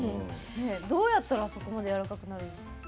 どうやったら、あそこまでやわらかくなるんですか？